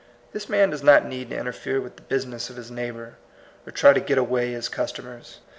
This man does not need to interfere with the business of his neighbor, or try to get away his customers.